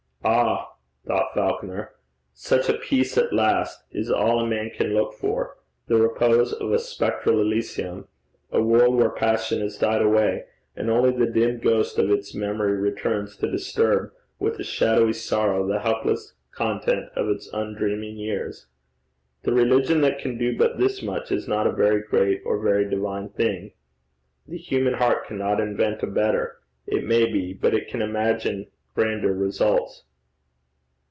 'Ah!' thought Falconer, 'such a peace at last is all a man can look for the repose of a spectral Elysium, a world where passion has died away, and only the dim ghost of its memory to disturb with a shadowy sorrow the helpless content of its undreaming years. The religion that can do but this much is not a very great or very divine thing. The human heart cannot invent a better it may be, but it can imagine grander results.'